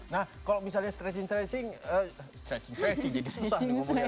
nah kalau misalnya stretching stretching stretching jadi susah nih ngomongin